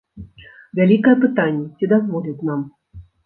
Вялікае пытанне, ці дазволяць нам.